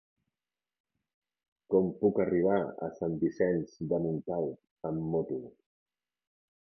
Com puc arribar a Sant Vicenç de Montalt amb moto?